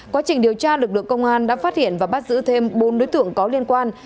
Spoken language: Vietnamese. quá trình điều tra lực lượng công an đã phát hiện và bắt giữ thêm bốn đối tượng có liên quan